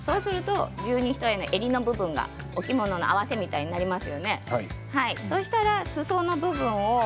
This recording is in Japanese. そうすると十二ひとえの襟の部分が大きいものの合わせのようになりますよね。